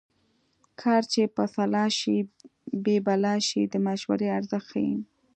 کار چې په سلا شي بې بلا شي د مشورې ارزښت ښيي